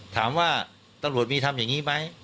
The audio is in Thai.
ถามว่าตำรวจมีทำอย่างนี้ไหม